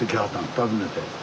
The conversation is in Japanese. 訪ねて。